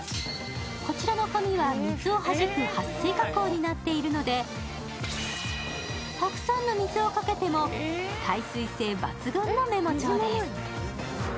こちらの紙は水をはじくはっ水加工になっているので、たくさんの水をかけても耐水性抜群のメモ帳です。